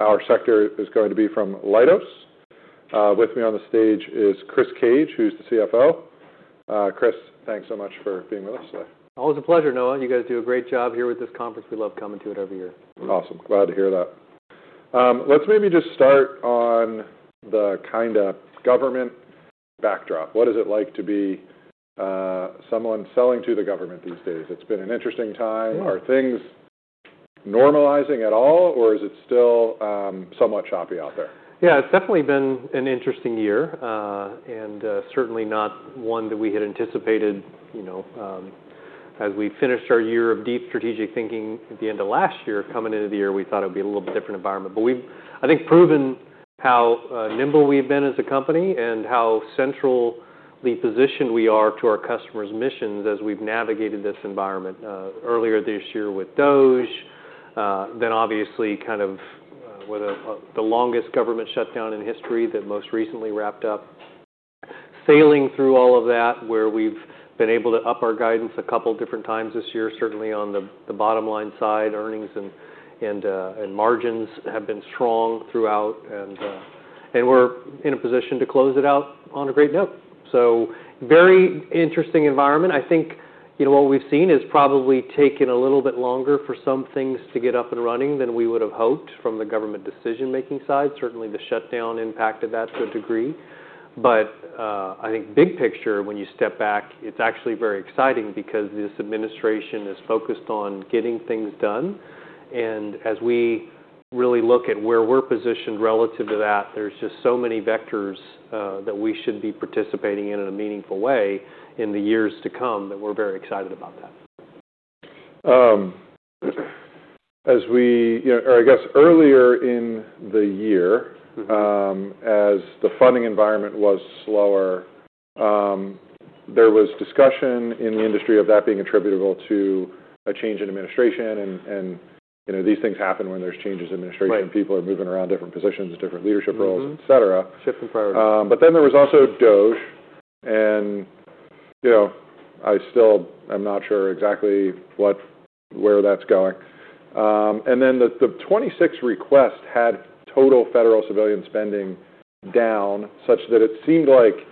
Our sector is going to be from Leidos. With me on the stage is Chris Cage, who's the CFO. Chris, thanks so much for being with us today. Always a pleasure, Noah. You guys do a great job here with this conference. We love coming to it every year. Awesome. Glad to hear that. Let's maybe just start on the kind of government backdrop. What is it like to be someone selling to the government these days? It's been an interesting time. Are things normalizing at all, or is it still somewhat choppy out there? Yeah, it's definitely been an interesting year, and certainly not one that we had anticipated. As we finished our year of deep strategic thinking at the end of last year, coming into the year, we thought it would be a little bit different environment. But we've, I think, proven how nimble we've been as a company and how centrally positioned we are to our customers' missions as we've navigated this environment earlier this year with DOGE. Then, obviously, kind of with the longest government shutdown in history that most recently wrapped up. Sailing through all of that, where we've been able to up our guidance a couple of different times this year, certainly on the bottom line side. Earnings and margins have been strong throughout, and we're in a position to close it out on a great note, so very interesting environment. I think what we've seen is probably taken a little bit longer for some things to get up and running than we would have hoped from the government decision-making side. Certainly, the shutdown impacted that to a degree. But I think big picture, when you step back, it's actually very exciting because this administration is focused on getting things done. And as we really look at where we're positioned relative to that, there's just so many vectors that we should be participating in in a meaningful way in the years to come that we're very excited about that. As we, or I guess earlier in the year, as the funding environment was slower, there was discussion in the industry of that being attributable to a change in administration. And these things happen when there's changes in administration. People are moving around different positions, different leadership roles, etc. Shifting priorities. But then there was also DOGE. And I still am not sure exactly where that's going. And then the 2026 request had total federal civilian spending down such that it seemed like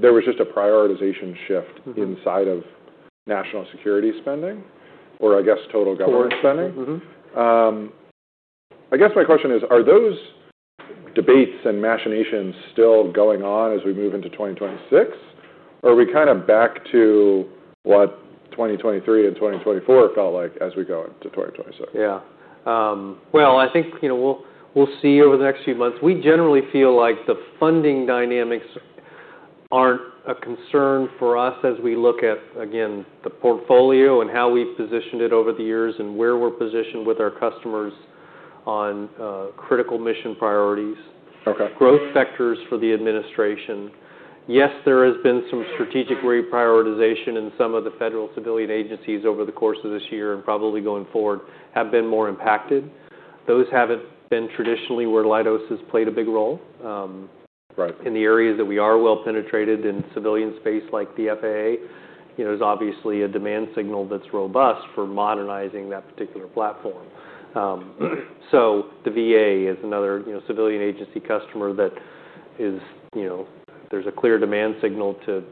there was just a prioritization shift inside of national security spending, or I guess total government spending. I guess my question is, are those debates and machinations still going on as we move into 2026, or are we kind of back to what 2023 and 2024 felt like as we go into 2026? Yeah. Well, I think we'll see over the next few months. We generally feel like the funding dynamics aren't a concern for us as we look at, again, the portfolio and how we've positioned it over the years and where we're positioned with our customers on critical mission priorities, growth factors for the administration. Yes, there has been some strategic reprioritization in some of the federal civilian agencies over the course of this year and probably going forward have been more impacted. Those haven't been traditionally where Leidos has played a big role. In the areas that we are well-penetrated in civilian space like the FAA, there's obviously a demand signal that's robust for modernizing that particular platform. So the VA is another civilian agency customer that there's a clear demand signal to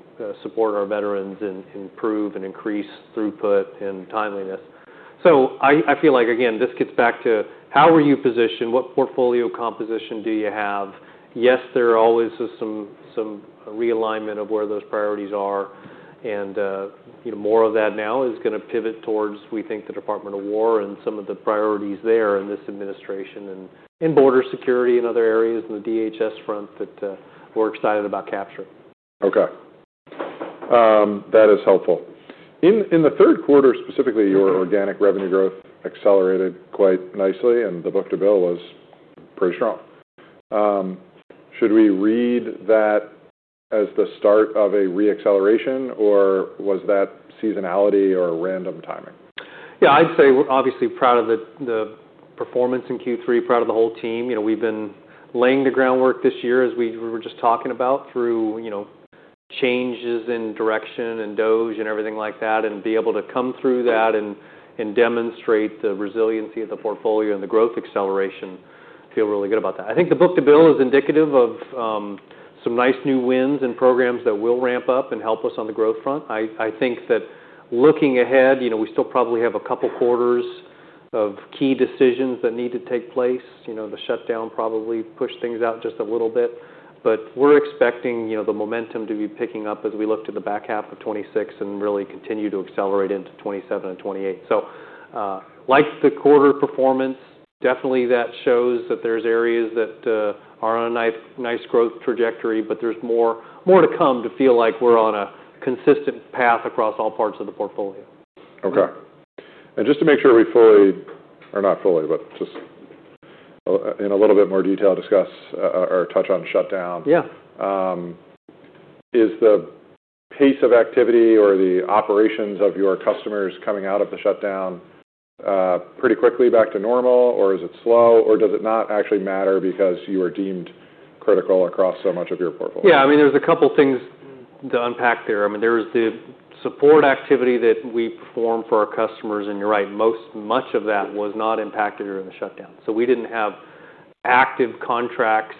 support our veterans and improve and increase throughput and timeliness. So I feel like, again, this gets back to how are you positioned? What portfolio composition do you have? Yes, there always is some realignment of where those priorities are. And more of that now is going to pivot towards, we think, the Department of War and some of the priorities there in this administration and border security and other areas in the DHS front that we're excited about capturing. Okay. That is helpful. In the third quarter, specifically, your organic revenue growth accelerated quite nicely, and the book-to-bill was pretty strong. Should we read that as the start of a reacceleration, or was that seasonality or random timing? Yeah, I'd say we're obviously proud of the performance in Q3, proud of the whole team. We've been laying the groundwork this year, as we were just talking about, through changes in direction and DOGE and everything like that, and be able to come through that and demonstrate the resiliency of the portfolio and the growth acceleration, feel really good about that. I think the book-to-bill is indicative of some nice new wins and programs that will ramp up and help us on the growth front. I think that looking ahead, we still probably have a couple of quarters of key decisions that need to take place. The shutdown probably pushed things out just a little bit. But we're expecting the momentum to be picking up as we look to the back half of 2026 and really continue to accelerate into 2027 and 2028. So like the quarter performance, definitely that shows that there's areas that are on a nice growth trajectory, but there's more to come to feel like we're on a consistent path across all parts of the portfolio. Okay. And just to make sure we fully, or not fully, but just in a little bit more detail, discuss or touch on shutdown. Is the pace of activity or the operations of your customers coming out of the shutdown pretty quickly back to normal, or is it slow, or does it not actually matter because you were deemed critical across so much of your portfolio? Yeah, I mean, there's a couple of things to unpack there. I mean, there's the support activity that we perform for our customers. And you're right, much of that was not impacted during the shutdown. So we didn't have active contracts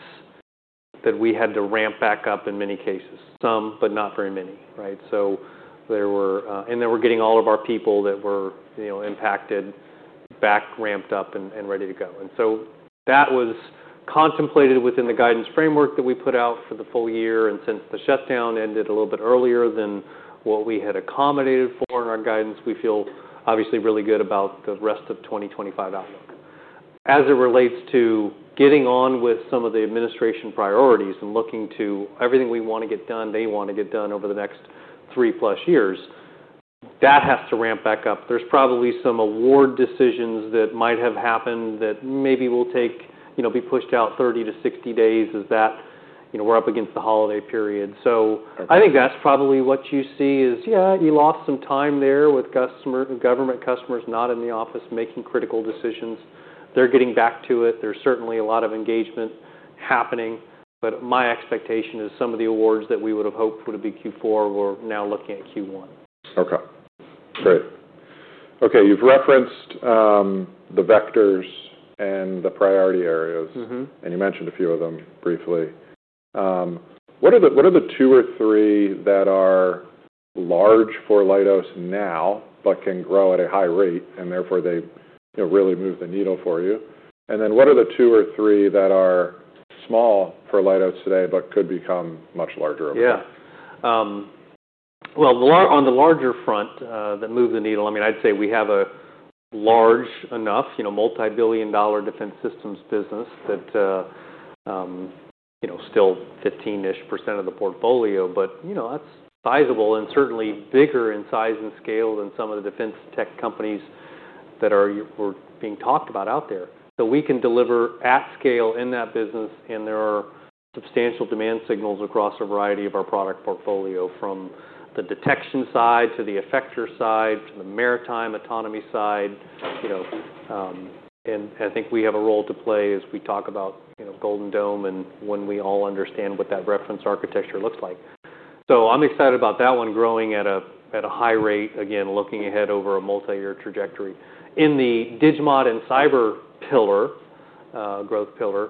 that we had to ramp back up in many cases, some, but not very many. Right? And then we're getting all of our people that were impacted back ramped up and ready to go. And so that was contemplated within the guidance framework that we put out for the full year. And since the shutdown ended a little bit earlier than what we had accommodated for in our guidance, we feel obviously really good about the rest of 2025 outlook. As it relates to getting on with some of the administration priorities and looking to everything we want to get done, they want to get done over the next three-plus years, that has to ramp back up. There's probably some award decisions that might have happened that maybe will be pushed out 30 days-60 days as we're up against the holiday period. So I think that's probably what you see is, yeah, you lost some time there with government customers not in the office making critical decisions. They're getting back to it. There's certainly a lot of engagement happening. But my expectation is some of the awards that we would have hoped would have been Q4, we're now looking at Q1. Okay. Great. Okay. You've referenced the vectors and the priority areas, and you mentioned a few of them briefly. What are the two or three that are large for Leidos now but can grow at a high rate, and therefore they really move the needle for you? And then what are the two or three that are small for Leidos today but could become much larger? Yeah. Well, on the larger front that move the needle, I mean, I'd say we have a large enough multi-billion dollar defense systems business that still 15-ish% of the portfolio, but that's sizable and certainly bigger in size and scale than some of the defense tech companies that are being talked about out there. So we can deliver at scale in that business, and there are substantial demand signals across a variety of our product portfolio from the detection side to the effector side, to the maritime autonomy side, and I think we have a role to play as we talk about Golden Dome and when we all understand what that reference architecture looks like, so I'm excited about that one growing at a high rate, again, looking ahead over a multi-year trajectory. In the Digimod and Cyber Growth Pillar,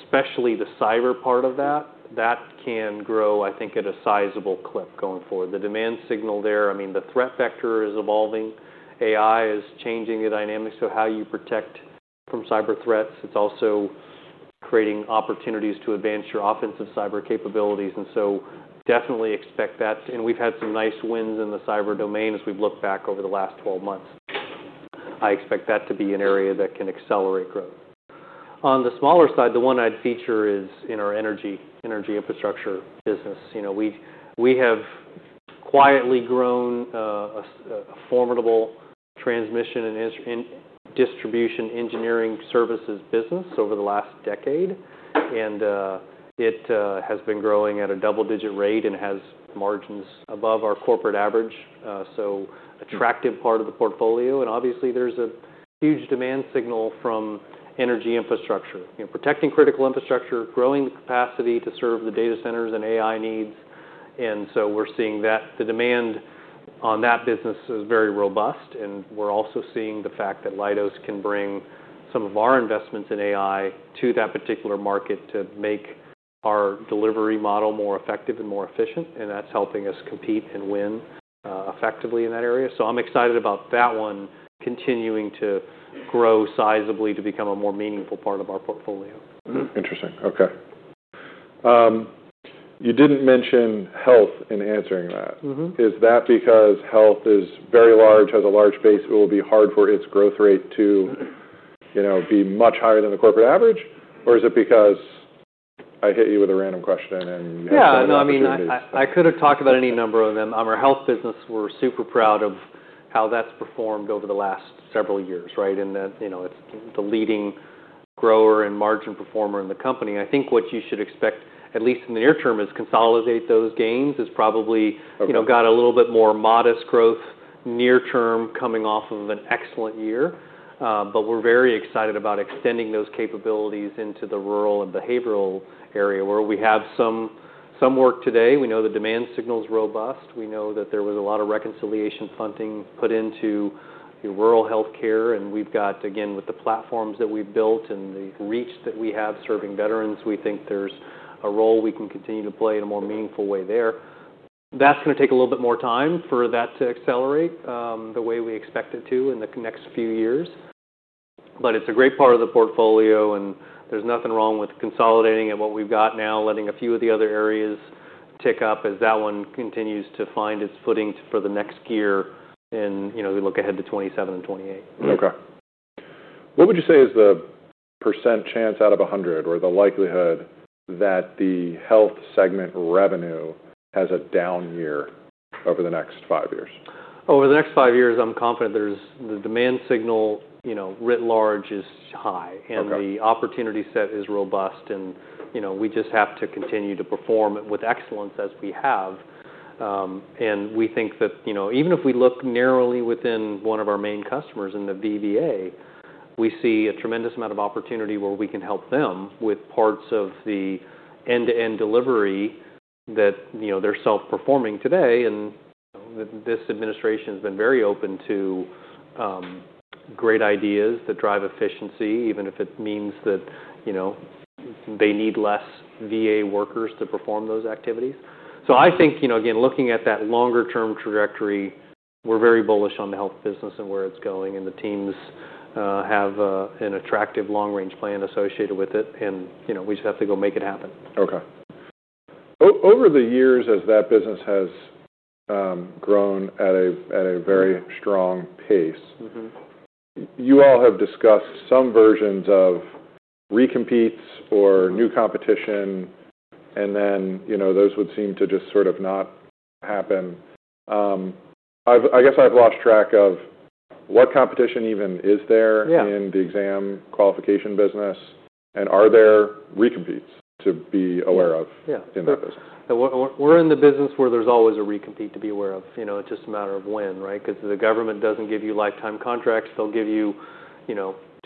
especially the cyber part of that, that can grow, I think, at a sizable clip going forward. The demand signal there, I mean, the threat vector is evolving. AI is changing the dynamics of how you protect from cyber threats. It's also creating opportunities to advance your offensive cyber capabilities. And so definitely expect that. And we've had some nice wins in the cyber domain as we've looked back over the last 12 months. I expect that to be an area that can accelerate growth. On the smaller side, the one I'd feature is in our energy infrastructure business. We have quietly grown a formidable transmission and distribution engineering services business over the last decade. And it has been growing at a double-digit rate and has margins above our corporate average. So attractive part of the portfolio. Obviously, there's a huge demand signal from energy infrastructure, protecting critical infrastructure, growing the capacity to serve the data centers and AI needs. And so we're seeing that the demand on that business is very robust. And we're also seeing the fact that Leidos can bring some of our investments in AI to that particular market to make our delivery model more effective and more efficient. And that's helping us compete and win effectively in that area. So I'm excited about that one continuing to grow sizably to become a more meaningful part of our portfolio. Interesting. Okay. You didn't mention health in answering that. Is that because health is very large, has a large base, it will be hard for its growth rate to be much higher than the corporate average, or is it because I hit you with a random question and you have some of these? Yeah, no, I mean, I could have talked about any number of them. Our health business, we're super proud of how that's performed over the last several years, right? And it's the leading grower and margin performer in the company. I think what you should expect, at least in the near term, is consolidate those gains has probably got a little bit more modest growth near term coming off of an excellent year. But we're very excited about extending those capabilities into the rural and behavioral area where we have some work today. We know the demand signal is robust. We know that there was a lot of reconciliation funding put into rural healthcare. And we've got, again, with the platforms that we've built and the reach that we have serving veterans, we think there's a role we can continue to play in a more meaningful way there. That's going to take a little bit more time for that to accelerate the way we expect it to in the next few years. But it's a great part of the portfolio, and there's nothing wrong with consolidating at what we've got now, letting a few of the other areas tick up as that one continues to find its footing for the next year and look ahead to 2027 and 2028. Okay. What would you say is the percent chance out of 100 or the likelihood that the health segment revenue has a down year over the next five years? Over the next five years, I'm confident the demand signal writ large is high, and the opportunity set is robust. And we just have to continue to perform with excellence as we have. And we think that even if we look narrowly within one of our main customers in the VBA, we see a tremendous amount of opportunity where we can help them with parts of the end-to-end delivery that they're self-performing today. And this administration has been very open to great ideas that drive efficiency, even if it means that they need less VA workers to perform those activities. So I think, again, looking at that longer-term trajectory, we're very bullish on the health business and where it's going. And the teams have an attractive long-range plan associated with it. And we just have to go make it happen. Okay. Over the years, as that business has grown at a very strong pace, you all have discussed some versions of recompetes or new competition, and then those would seem to just sort of not happen. I guess I've lost track of what competition even is there in the exam qualification business, and are there recompetes to be aware of in that business? Yeah. We're in the business where there's always a recompete to be aware of. It's just a matter of when, right? Because the government doesn't give you lifetime contracts. They'll give you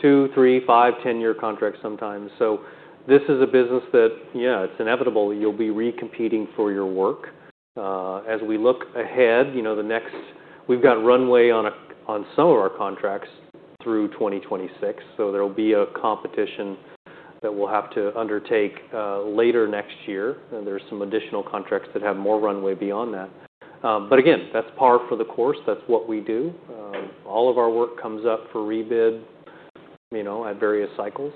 two, three, five, 10-year contracts sometimes. So this is a business that, yeah, it's inevitable that you'll be recompeting for your work. As we look ahead, we've got runway on some of our contracts through 2026. So there will be a competition that we'll have to undertake later next year. And there's some additional contracts that have more runway beyond that. But again, that's par for the course. That's what we do. All of our work comes up for rebid at various cycles.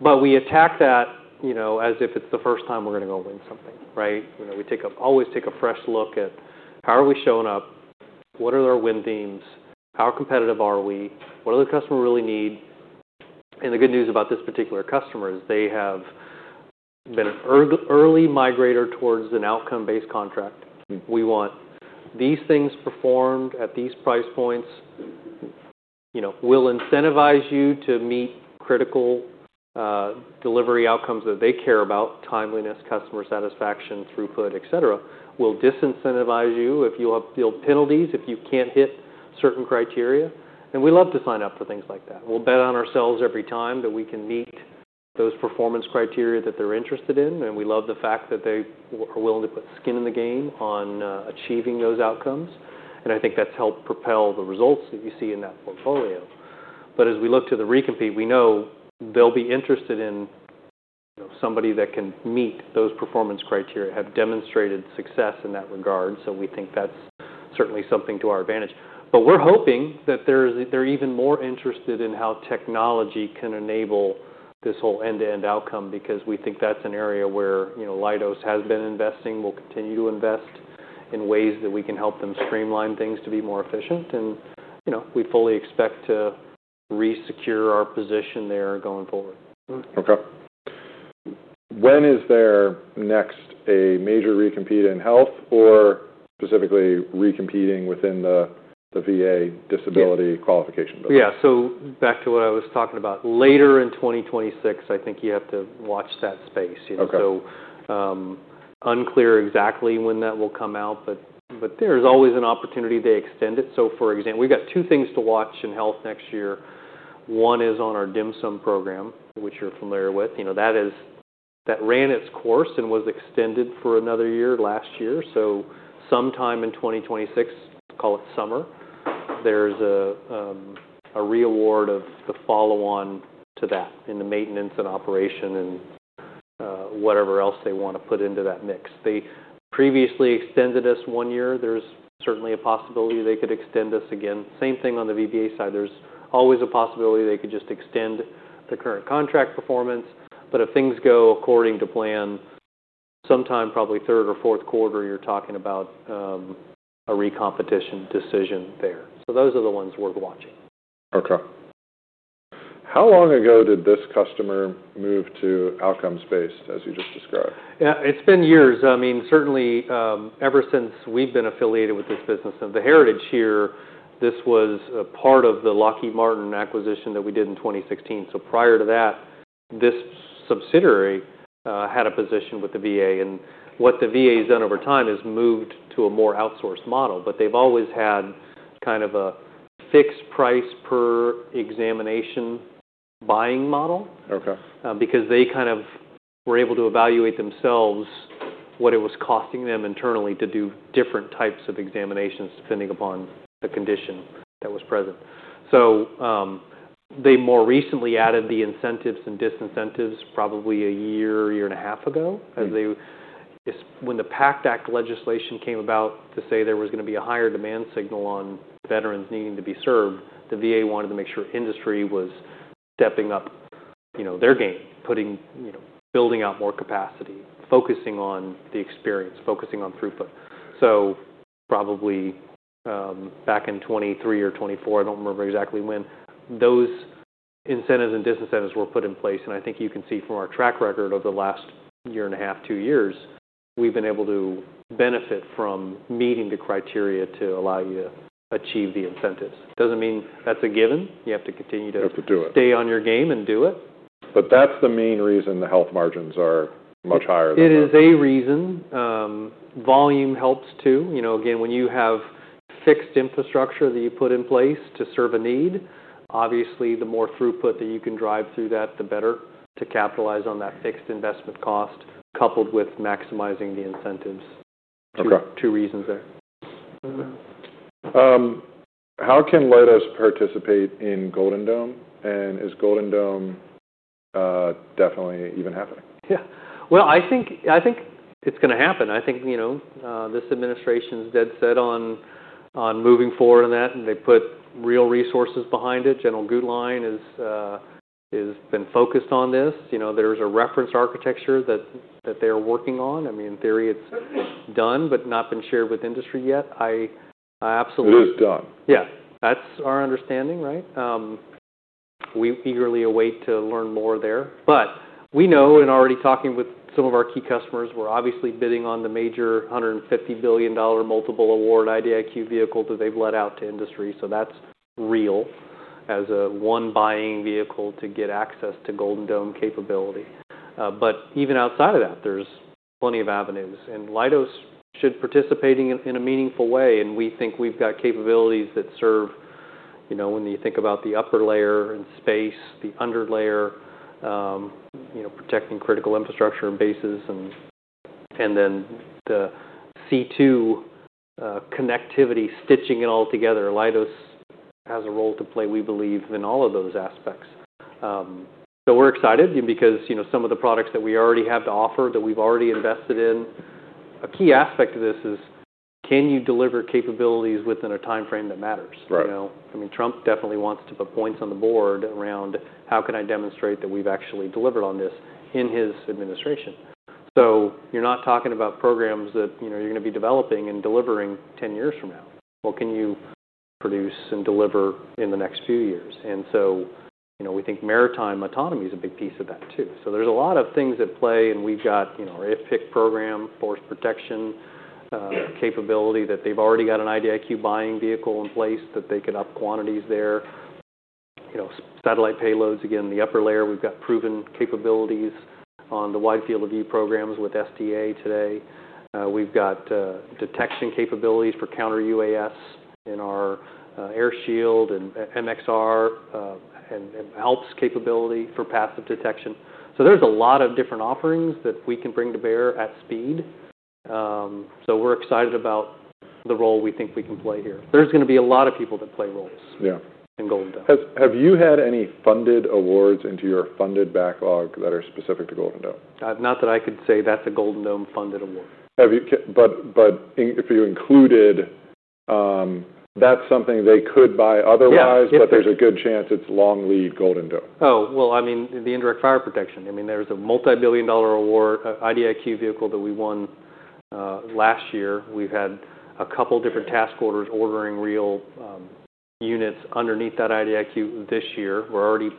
But we attack that as if it's the first time we're going to go win something, right? We always take a fresh look at how are we showing up, what are our win themes, how competitive are we, what do the customers really need. And the good news about this particular customer is they have been an early migrator towards an outcome-based contract. We want these things performed at these price points. We'll incentivize you to meet critical delivery outcomes that they care about: timeliness, customer satisfaction, throughput, etc. We'll disincentivize you. You'll have penalties if you can't hit certain criteria. And we love to sign up for things like that. We'll bet on ourselves every time that we can meet those performance criteria that they're interested in. And we love the fact that they are willing to put skin in the game on achieving those outcomes. And I think that's helped propel the results that you see in that portfolio. But as we look to the recompete, we know they'll be interested in somebody that can meet those performance criteria, have demonstrated success in that regard. So we think that's certainly something to our advantage. But we're hoping that they're even more interested in how technology can enable this whole end-to-end outcome because we think that's an area where Leidos has been investing, will continue to invest in ways that we can help them streamline things to be more efficient. And we fully expect to re-secure our position there going forward. Okay. When is there next a major recompete in health or specifically recompeting within the VA disability qualification business? Yeah. So back to what I was talking about. Later in 2026, I think you have to watch that space. So unclear exactly when that will come out, but there's always an opportunity to extend it. So for example, we've got two things to watch in health next year. One is on our Dim Sum program, which you're familiar with. That ran its course and was extended for another year last year. So sometime in 2026, call it summer, there's a re-award of the follow-on to that in the maintenance and operation and whatever else they want to put into that mix. They previously extended us one year. There's certainly a possibility they could extend us again. Same thing on the VBA side. There's always a possibility they could just extend the current contract performance. But if things go according to plan, sometime probably third or fourth quarter, you're talking about a recompetition decision there. So those are the ones worth watching. Okay. How long ago did this customer move to outcomes-based, as you just described? Yeah. It's been years. I mean, certainly ever since we've been affiliated with this business. And the heritage here, this was a part of the Lockheed Martin acquisition that we did in 2016. So prior to that, this subsidiary had a position with the VA. And what the VA has done over time is moved to a more outsourced model. But they've always had kind of a fixed price per examination buying model because they kind of were able to evaluate themselves what it was costing them internally to do different types of examinations depending upon the condition that was present. So they more recently added the incentives and disincentives probably a year, year and a half ago as they when the PACT Act legislation came about to say there was going to be a higher demand signal on veterans needing to be served. The VA wanted to make sure industry was stepping up their game, building out more capacity, focusing on the experience, focusing on throughput. So probably back in 2023 or 2024, I don't remember exactly when, those incentives and disincentives were put in place. And I think you can see from our track record of the last year and a half, two years, we've been able to benefit from meeting the criteria to allow you to achieve the incentives. Doesn't mean that's a given. You have to continue to. You have to do it. Stay on your game and do it. But that's the main reason the health margins are much higher than that. It is a reason. Volume helps too. Again, when you have fixed infrastructure that you put in place to serve a need, obviously the more throughput that you can drive through that, the better to capitalize on that fixed investment cost coupled with maximizing the incentives. How can Leidos participate in Golden Dome? And is Golden Dome definitely even happening? Yeah. Well, I think it's going to happen. I think this administration's dead set on moving forward in that. And they put real resources behind it. General Gutlein has been focused on this. There's a reference architecture that they're working on. I mean, in theory, it's done, but not been shared with industry yet. I absolutely. It is done. Yeah. That's our understanding, right? We eagerly await to learn more there. But we know and already talking with some of our key customers, we're obviously bidding on the major $150 billion multiple award IDIQ vehicle that they've let out to industry. So that's real as a one-buying vehicle to get access to Golden Dome capability. But even outside of that, there's plenty of avenues. And Leidos should participate in a meaningful way. And we think we've got capabilities that serve when you think about the upper layer and space, the underlayer, protecting critical infrastructure and bases, and then the C2 connectivity stitching it all together. Leidos has a role to play, we believe, in all of those aspects. So we're excited because some of the products that we already have to offer that we've already invested in, a key aspect of this is, can you deliver capabilities within a timeframe that matters? I mean, Trump definitely wants to put points on the board around how can I demonstrate that we've actually delivered on this in his administration. So you're not talking about programs that you're going to be developing and delivering 10 years from now. What can you produce and deliver in the next few years? And so we think maritime autonomy is a big piece of that too. So there's a lot of things at play. And we've got our IFPC program, force protection capability that they've already got an IDIQ buying vehicle in place that they could up quantities there. Satellite payloads, again, the upper layer, we've got proven capabilities on the wide field of view programs with SDA today. We've got detection capabilities for counter-UAS in our AirShield and MHR and ALPS capability for passive detection. So there's a lot of different offerings that we can bring to bear at speed. So we're excited about the role we think we can play here. There's going to be a lot of people that play roles in Golden Dome. Have you had any funded awards into your funded backlog that are specific to Golden Dome? Not that I could say that's a Golden Dome funded award. But if you included, that's something they could buy otherwise, but there's a good chance it's long lead Golden Dome. Oh, well, I mean, the indirect fire protection. I mean, there's a multi-billion-dollar award IDIQ vehicle that we won last year. We've had a couple of different task orders ordering real units underneath that IDIQ this year. We're already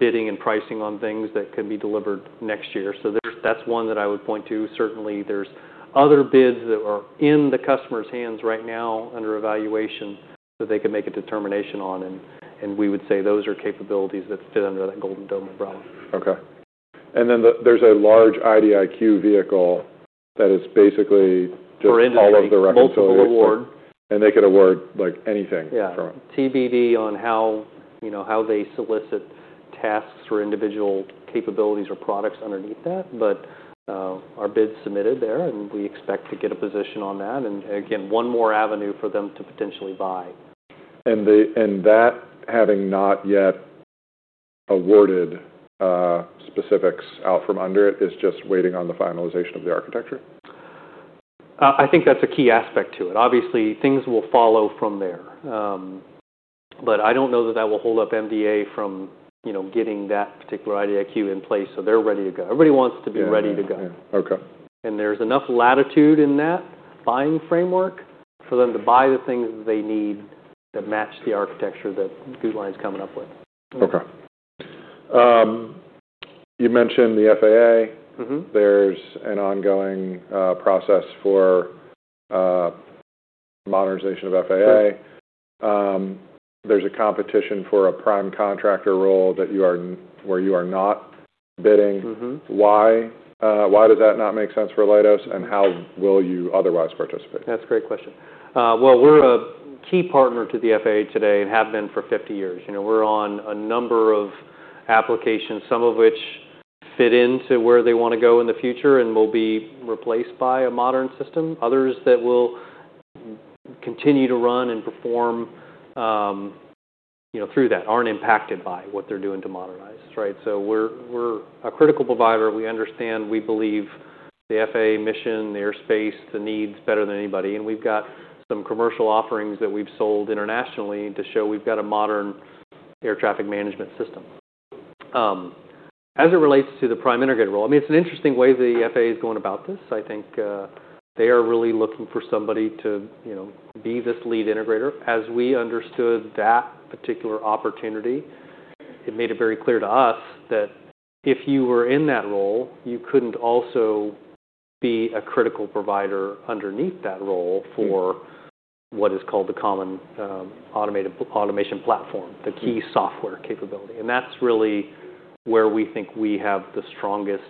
bidding and pricing on things that could be delivered next year. So that's one that I would point to. Certainly, there's other bids that are in the customer's hands right now under evaluation that they could make a determination on. And we would say those are capabilities that fit under that Golden Dome umbrella. Okay. And then there's a large IDIQ vehicle that is basically just all of the requisite awards. For industry mobile award. They could award anything from it. Yeah. TBD on how they solicit tasks for individual capabilities or products underneath that. But our bid's submitted there, and we expect to get a position on that. And again, one more avenue for them to potentially buy. And that having not yet awarded specifics out from under it, it's just waiting on the finalization of the architecture? I think that's a key aspect to it. Obviously, things will follow from there. But I don't know that that will hold up MDA from getting that particular IDIQ in place so they're ready to go. Everybody wants to be ready to go. And there's enough latitude in that buying framework for them to buy the things that they need that match the architecture that Gutlein's coming up with. Okay. You mentioned the FAA. There's an ongoing process for modernization of FAA. There's a competition for a prime contractor role where you are not bidding. Why does that not make sense for Leidos? And how will you otherwise participate? That's a great question. Well, we're a key partner to the FAA today and have been for 50 years. We're on a number of applications, some of which fit into where they want to go in the future and will be replaced by a modern system. Others that will continue to run and perform through that aren't impacted by what they're doing to modernize, right? So we're a critical provider. We understand, we believe the FAA mission, the airspace, the needs better than anybody. And we've got some commercial offerings that we've sold internationally to show we've got a modern air traffic management system. As it relates to the prime integrator role, I mean, it's an interesting way the FAA is going about this. I think they are really looking for somebody to be this lead integrator. As we understood that particular opportunity, it made it very clear to us that if you were in that role, you couldn't also be a critical provider underneath that role for what is called the Common Automation Platform, the key software capability, and that's really where we think we have the strongest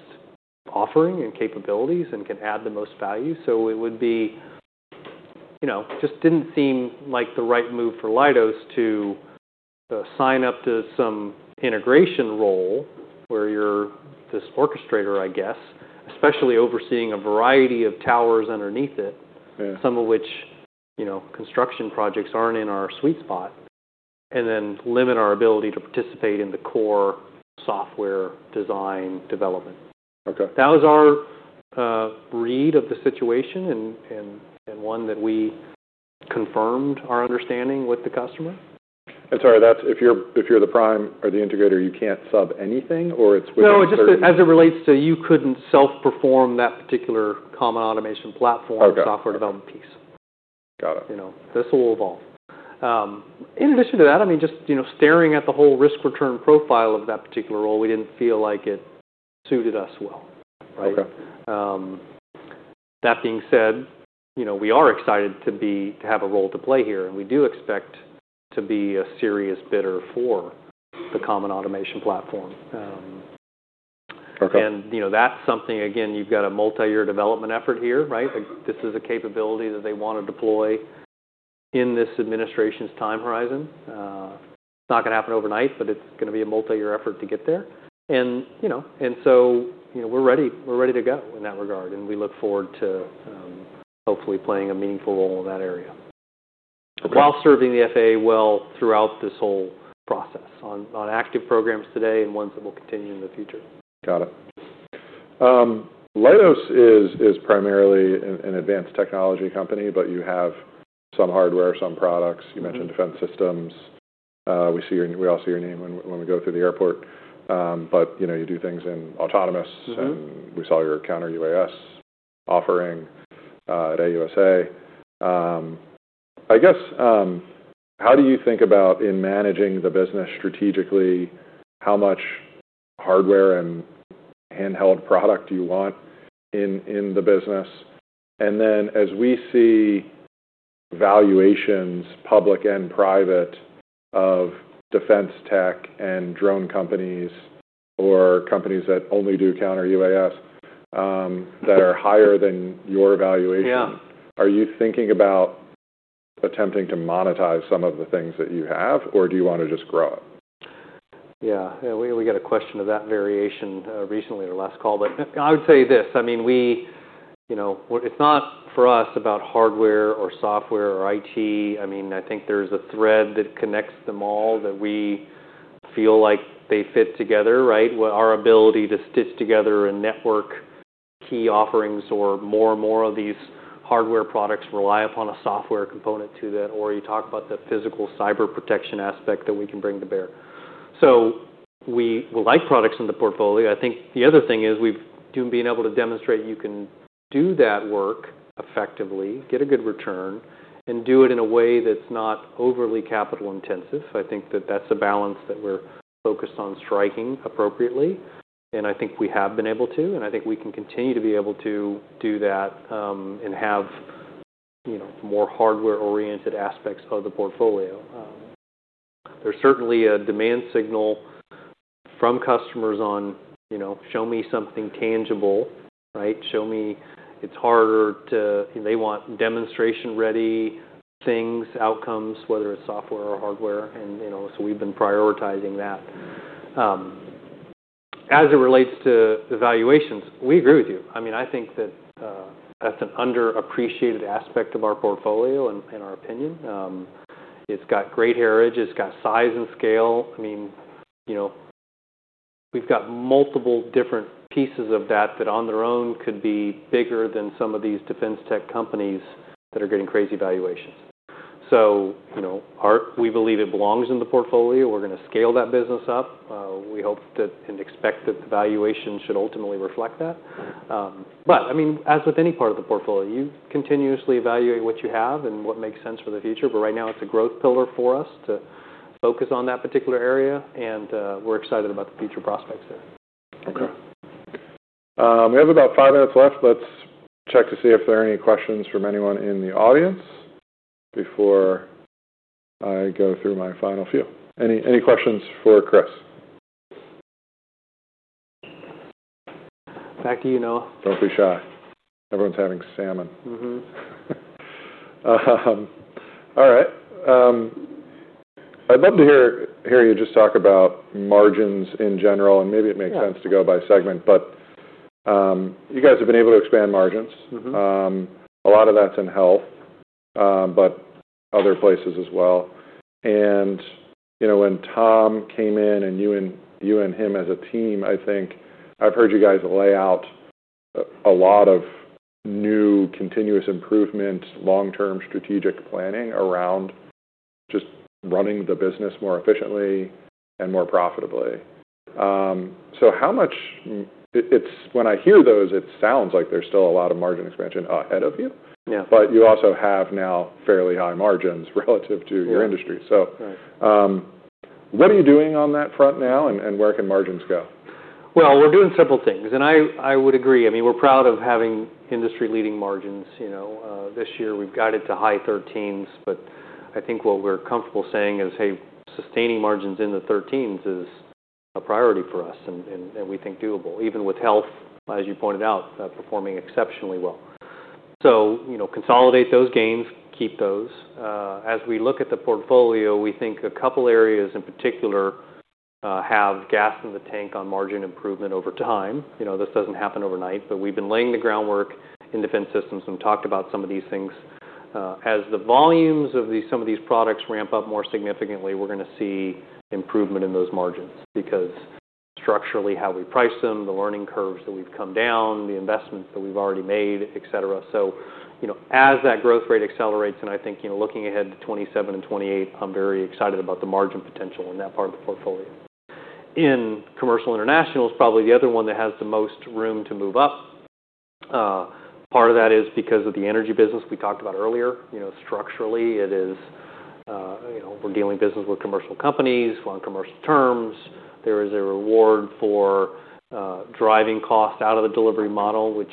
offering and capabilities and can add the most value. It just didn't seem like the right move for Leidos to sign up to some integration role where you're this orchestrator, I guess, especially overseeing a variety of towers underneath it, some of which construction projects aren't in our sweet spot, and then limit our ability to participate in the core software design development. That was our read of the situation and one that we confirmed our understanding with the customer. Sorry, if you're the prime or the integrator, you can't sub anything or it's within the scope? No, just as it relates to you couldn't self-perform that particular Common Automation Platform software development piece. Got it. This will evolve. In addition to that, I mean, just staring at the whole risk return profile of that particular role, we didn't feel like it suited us well. That being said, we are excited to have a role to play here. And we do expect to be a serious bidder for the Common Automation Platform. And that's something, again, you've got a multi-year development effort here, right? This is a capability that they want to deploy in this administration's time horizon. It's not going to happen overnight, but it's going to be a multi-year effort to get there. And so we're ready to go in that regard. And we look forward to hopefully playing a meaningful role in that area while serving the FAA well throughout this whole process on active programs today and ones that will continue in the future. Got it. Leidos is primarily an advanced technology company, but you have some hardware, some products. You mentioned defense systems. We all see your name when we go through the airport. But you do things in autonomous. And we saw your counter UAS offering at AUSA. I guess, how do you think about in managing the business strategically, how much hardware and handheld product do you want in the business? And then as we see valuations, public and private, of defense tech and drone companies or companies that only do counter UAS that are higher than your valuation, are you thinking about attempting to monetize some of the things that you have, or do you want to just grow it? Yeah. We got a question of that variation recently at our last call. But I would say this. I mean, it's not for us about hardware or software or IT. I mean, I think there's a thread that connects them all that we feel like they fit together, right? Our ability to stitch together and network key offerings or more and more of these hardware products rely upon a software component to that, or you talk about the physical cyber protection aspect that we can bring to bear. So we like products in the portfolio. I think the other thing is we've been able to demonstrate you can do that work effectively, get a good return, and do it in a way that's not overly capital intensive. I think that that's a balance that we're focused on striking appropriately. And I think we have been able to. I think we can continue to be able to do that and have more hardware-oriented aspects of the portfolio. There's certainly a demand signal from customers on, "Show me something tangible," right? "Show me it's harder to." They want demonstration-ready things, outcomes, whether it's software or hardware. And so we've been prioritizing that. As it relates to evaluations, we agree with you. I mean, I think that that's an underappreciated aspect of our portfolio in our opinion. It's got great heritage. It's got size and scale. I mean, we've got multiple different pieces of that that on their own could be bigger than some of these defense tech companies that are getting crazy valuations. So we believe it belongs in the portfolio. We're going to scale that business up. We hope and expect that the valuation should ultimately reflect that. But I mean, as with any part of the portfolio, you continuously evaluate what you have and what makes sense for the future. But right now, it's a growth pillar for us to focus on that particular area. And we're excited about the future prospects there. Okay. We have about five minutes left. Let's check to see if there are any questions from anyone in the audience before I go through my final few. Any questions for Chris? Back to you. Don't be shy. Everyone's having salmon. All right. I'd love to hear you just talk about margins in general, and maybe it makes sense to go by segment. But you guys have been able to expand margins. A lot of that's in health, but other places as well, and when Tom came in and you and him as a team, I think I've heard you guys lay out a lot of new continuous improvement, long-term strategic planning around just running the business more efficiently and more profitably. So, how much—when I hear those, it sounds like there's still a lot of margin expansion ahead of you, but you also have now fairly high margins relative to your industry, so what are you doing on that front now, and where can margins go? We're doing simple things. I would agree. I mean, we're proud of having industry-leading margins. This year, we've got it to high 13s%. I think what we're comfortable saying is, "Hey, sustaining margins in the 13s% is a priority for us, and we think doable, even with health, as you pointed out, performing exceptionally well." Consolidate those gains, keep those. As we look at the portfolio, we think a couple of areas in particular have gas in the tank on margin improvement over time. This doesn't happen overnight. We've been laying the groundwork in defense systems and talked about some of these things. As the volumes of some of these products ramp up more significantly, we're going to see improvement in those margins because structurally how we price them, the learning curves that we've come down, the investments that we've already made, etc. So as that growth rate accelerates, and I think looking ahead to 2027 and 2028, I'm very excited about the margin potential in that part of the portfolio. In commercial internationals, probably the other one that has the most room to move up. Part of that is because of the energy business we talked about earlier. Structurally, it is, we're doing business with commercial companies on commercial terms. There is a reward for driving costs out of the delivery model, which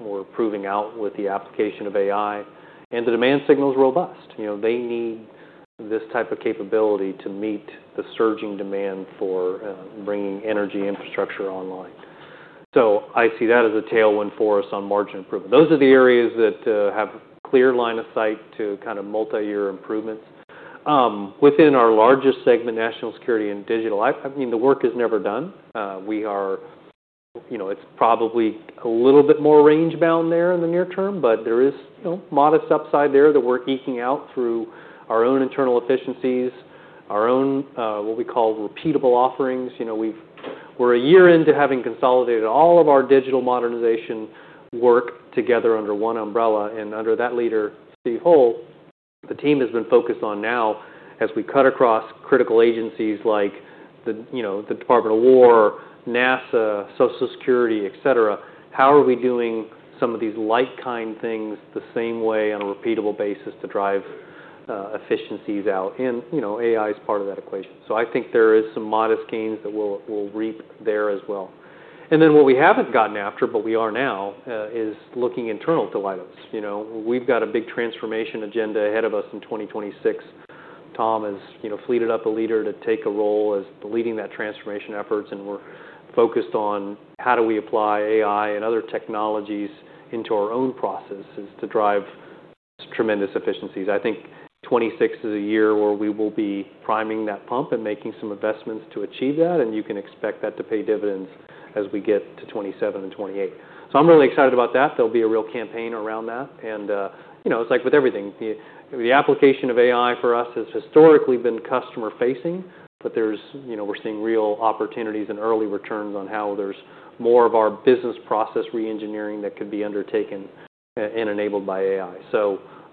we're proving out with the application of AI. And the demand signal is robust. They need this type of capability to meet the surging demand for bringing energy infrastructure online. So I see that as a tailwind for us on margin improvement. Those are the areas that have clear line of sight to kind of multi-year improvements. Within our largest segment, national security and digital, I mean, the work is never done. It's probably a little bit more range bound there in the near term, but there is modest upside there that we're eking out through our own internal efficiencies, our own what we call repeatable offerings. We're a year into having consolidated all of our digital modernization work together under one umbrella, and under that leader, Steve Hull, the team has been focused on now as we cut across critical agencies like the Department of War, NASA, Social Security, etc., how are we doing some of these like-kind things the same way on a repeatable basis to drive efficiencies out, and AI is part of that equation, so I think there are some modest gains that will reap there as well. Then what we haven't gotten after, but we are now, is looking internal to Leidos. We've got a big transformation agenda ahead of us in 2026. Tom has fleeted up a leader to take a role as leading that transformation efforts. We're focused on how do we apply AI and other technologies into our own processes to drive tremendous efficiencies. I think 2026 is a year where we will be priming that pump and making some investments to achieve that. You can expect that to pay dividends as we get to 2027 and 2028. I'm really excited about that. There'll be a real campaign around that. It's like with everything. The application of AI for us has historically been customer-facing. We're seeing real opportunities and early returns on how there's more of our business process re-engineering that could be undertaken and enabled by AI.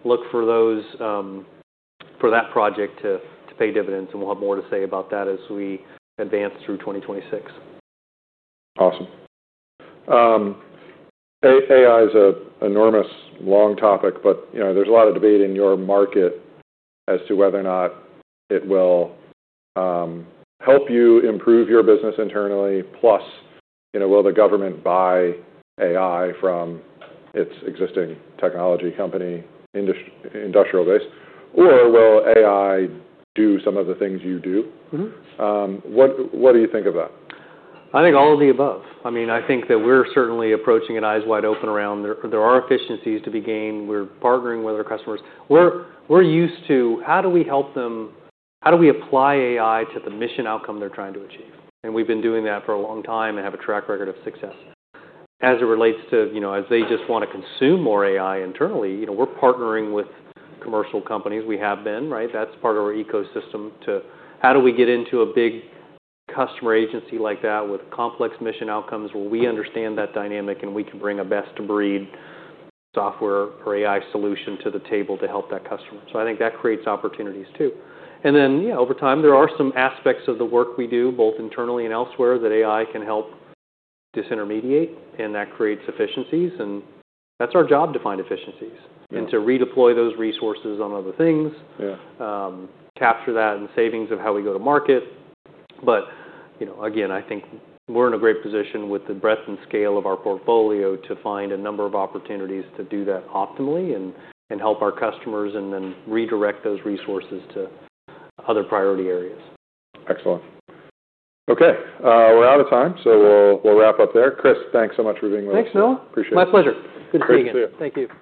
Look for that project to pay dividends. We'll have more to say about that as we advance through 2026. Awesome. AI is an enormous long topic. But there's a lot of debate in your market as to whether or not it will help you improve your business internally, plus will the government buy AI from its existing technology company, industrial-based, or will AI do some of the things you do? What do you think of that? I think all of the above. I mean, I think that we're certainly approaching it eyes wide open around. There are efficiencies to be gained. We're partnering with our customers. We're used to how do we help them? How do we apply AI to the mission outcome they're trying to achieve, and we've been doing that for a long time and have a track record of success. As it relates to as they just want to consume more AI internally, we're partnering with commercial companies. We have been, right? That's part of our ecosystem to how do we get into a big customer agency like that with complex mission outcomes where we understand that dynamic and we can bring a best-of-breed software or AI solution to the table to help that customer? So I think that creates opportunities too. And then over time, there are some aspects of the work we do both internally and elsewhere that AI can help disintermediate. And that creates efficiencies. And that's our job to find efficiencies and to redeploy those resources on other things, capture that in savings of how we go to market. But again, I think we're in a great position with the breadth and scale of our portfolio to find a number of opportunities to do that optimally and help our customers and then redirect those resources to other priority areas. Excellent. Okay. We're out of time. So we'll wrap up there. Chris, thanks so much for being with us. Thanks. Appreciate it. My pleasure. Good to see you. Thanks. Thanks.